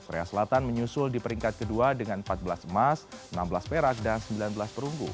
korea selatan menyusul di peringkat kedua dengan empat belas emas enam belas perak dan sembilan belas perunggu